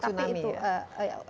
untuk tsunami ya